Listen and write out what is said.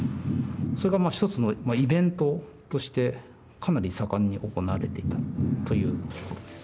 それがまあ一つのイベントとしてかなり盛んに行われていたということです。